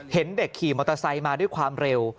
เห็นเด็กขี่มอเตอร์ไซค์มาด้วยความเร็ว